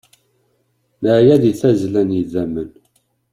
Neɛya di tazzla n yidammen.